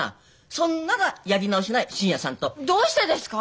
そんならやり直しない信也さんと。どうしてですか？